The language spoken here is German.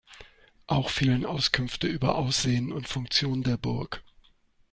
Auch fehlen Auskünfte über Aussehen und Funktion der Burg.